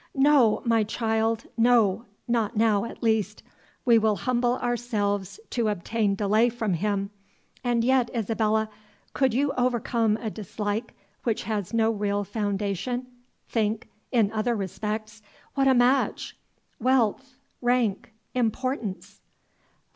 "No, my child, no not now at least we will humble ourselves to obtain delay from him; and yet, Isabella, could you overcome a dislike which has no real foundation, think, in other respects, what a match! wealth rank importance."